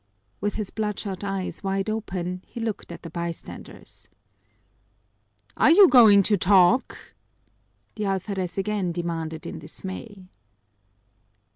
With his bloodshot eyes wide open, he looked at the bystanders. "Are you going to talk?" the alferez again demanded in dismay.